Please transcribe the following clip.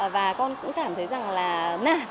và con cũng cảm thấy là nản